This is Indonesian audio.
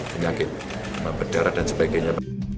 penyakit berdarah dan sebagainya